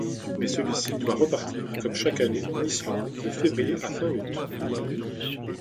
Mais celui-ci doit repartir, comme chaque année en Islande de février à fin août.